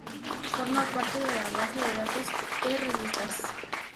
Forma parte de la base de datos e-Revistas.